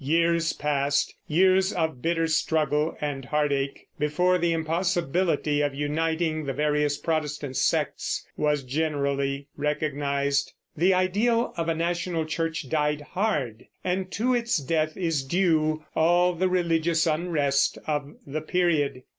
Years passed, years of bitter struggle and heartache, before the impossibility of uniting the various Protestant sects was generally recognized. The ideal of a national church died hard, and to its death is due all the religious unrest of the period.